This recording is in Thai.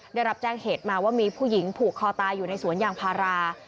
ได้รับแจ้งเหตุมาว่ามีผู้หญิงผูกคอตายอยู่ในสวนยางพารา